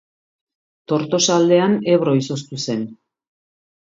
Tortosa aldean Ebro izoztu zen.